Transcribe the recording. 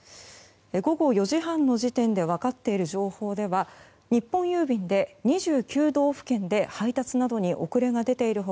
午後４時半の時点で分かっている情報では日本郵便で、２９道府県で配達などに遅れが出ている他